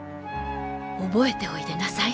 覚えておいでなさい